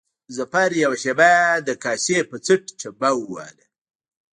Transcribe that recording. ظفر يوه شېبه د کاسې په څټ چمبه ووهله.